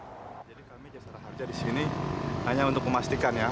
jadi kami jasa rahar jadikai disini hanya untuk memastikan ya